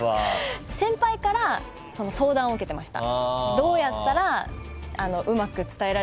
先輩から相談を受けてました。